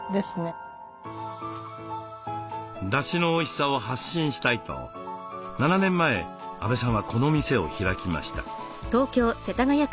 だしのおいしさを発信したいと７年前阿部さんはこの店を開きました。